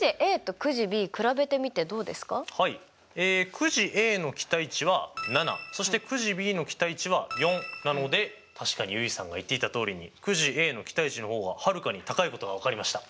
くじＡの期待値は７そしてくじＢの期待値は４なので確かに結衣さんが言っていたとおりにくじＡの期待値の方がはるかに高いことが分かりました。